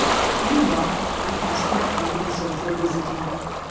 Meanwhile I pamed my time in social visiting.